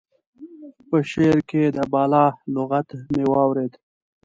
په شعر کې د بالا لغت مې واورېد.